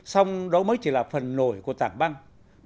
xong đó mới chỉ là phần nổi của tảng băng